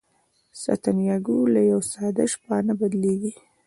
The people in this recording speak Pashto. سانتیاګو له یوه ساده شپانه بدلیږي.